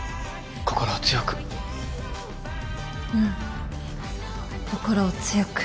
うん心を強く。